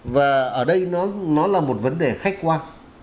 và ở đây nó là một vấn đề khách quan